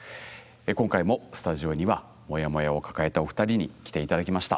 今回もスタジオにはモヤモヤを抱えたお二人に来て頂きました。